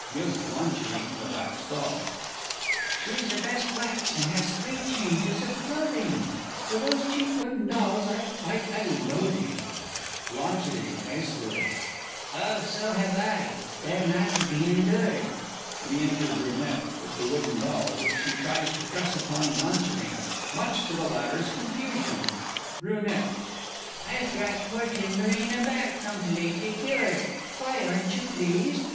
[Gives BLAN. the wax doll. She's the best wax, and has three changes of clothing For those cheap wooden dolls I've quite a loathing. Bl. (hastily). Oh, so have I they're not to be endured! Re enter BRUNETTE with the wooden doll, which she tries to press upon BLANCHIDINE, much to the latter's confusion. Br. I've brought poor Timburina back, completely cured! Why, aren't you pleased?